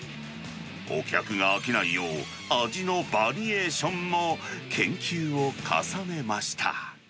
お客が飽きないよう、味のバリエーションも研究を重ねました。